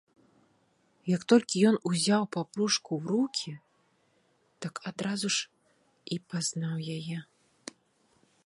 Як толькі ён узяў папружку ў рукі, так адразу і пазнаў яе.